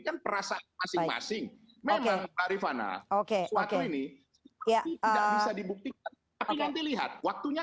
kan perasaan masing masing memang mbak rivana oke oke ini ya bisa dibuktikan tapi nanti lihat waktunya